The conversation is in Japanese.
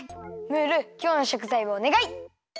ムールきょうのしょくざいをおねがい！